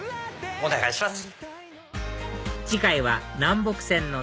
お願いします。